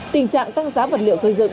tình trạng tăng giá vật liệu xây dựng